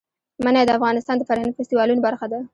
منی د افغانستان د فرهنګي فستیوالونو برخه ده.